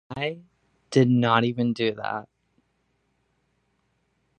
I did not even do that.